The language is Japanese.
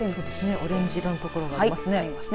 オレンジ色の所がありますね。